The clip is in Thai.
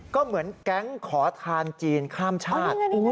ก็เหมือนแก๊งขอทานจีนข้ามชาติ